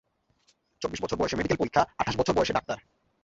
চব্বিশ বছর বয়সে মেডিকেল পরীক্ষা, আঠাশ বছর বয়সে ডাক্তার।